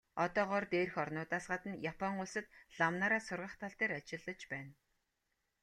Одоогоор дээрх орнуудаас гадна Япон улсад лам нараа сургах тал дээр ажиллаж байна.